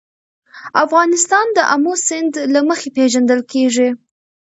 افغانستان د آمو سیند له مخې پېژندل کېږي.